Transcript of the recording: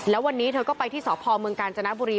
แล้ววันนี้เธอก็ไปที่สพเมืองกาญจนบุรี